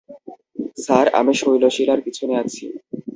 Sir, আমি শৈলশিলার পিছনে আছি।